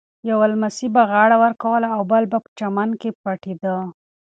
یوه لمسي به غاړه ورکوله او بل به په چمن کې پټېده.